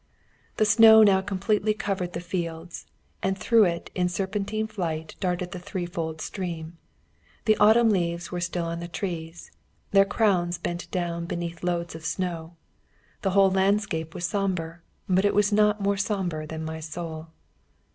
The snow now completely covered the fields, and through it in serpentine flight darted the threefold stream. The autumn leaves were still on the trees, their crowns bent down beneath loads of snow. The whole landscape was sombre, but it was not more sombre than my soul.